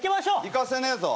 行かせねえぞ。